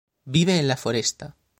Vive en la foresta.